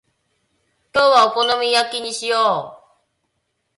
今日はお好み焼きにしよう。